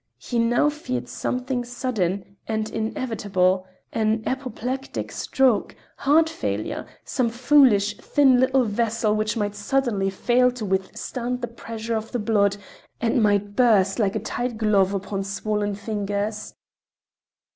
He now feared something sudden and inevitable—an apoplectic stroke, heart failure, some foolish thin little vessel which might suddenly fail to withstand the pressure of the blood and might burst like a tight glove upon swollen fingers.